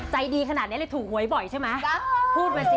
ใจดีขนาดนี้เลยถูกหวยบ่อยใช่ไหม